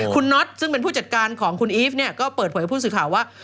คุณน็อตซึ่งเป็นผู้จัดการของคุณอีฟเนี่ยก็เปิดเผยกับผู้สื่อข่าวว่า